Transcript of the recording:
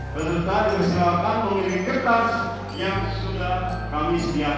peserta bersilakan mengambil kertas yang sudah kami sediakan di depan